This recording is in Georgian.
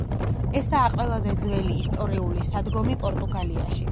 ესაა ყველაზე ძველი ისტორიული სადგომი პორტუგალიაში.